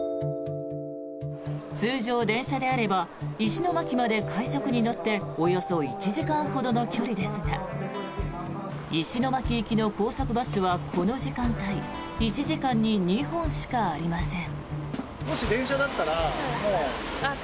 通常、電車であれば石巻まで快速に乗っておよそ１時間ほどの距離ですが石巻行きの高速バスはこの時間帯１時間に２本しかありません。